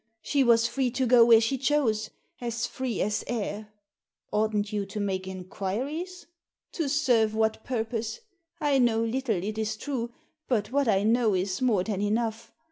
She was free to go where she chose — as free as air.'* "Oughtn't you to make inquiries?" " To serve what purpose ? I know little, it is true, but what I know is more than enough.